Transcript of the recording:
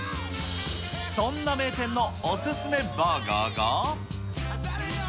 そんな名店のお勧めバーガーが。